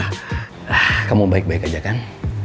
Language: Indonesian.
nah kamu baik baik aja kan